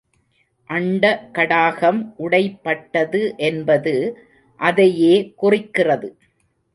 அண்ட கடாகம் உடைபட்டது என்பது அதையே குறிக்கிறது.